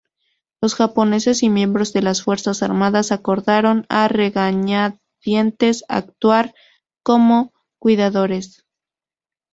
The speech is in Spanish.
Los japoneses y miembros de las fuerzas armadas acordaron a regañadientes actuar como cuidadores.